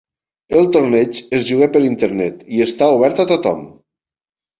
El torneig es juga per Internet i està obert a tothom.